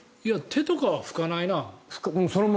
手とかは拭かないな。